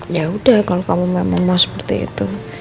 ya udah kalo kamu memang mau seperti itu